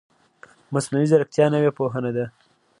مصنوعي ځیرکتیا نوې پوهنه ده